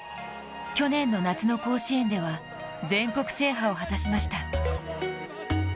去年の夏の甲子園では全国制覇を果たしました。